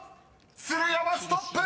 ［鶴山ストップ！］